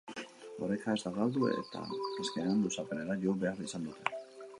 Oreka ez da galdu, eta azkenean luzapenera jo behar izan dute.